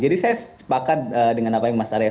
jadi saya sepakat dengan apa yang mas arya